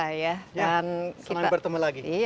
selamat bertemu lagi